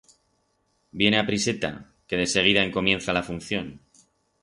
Viene apriseta, que deseguida encomienza la función.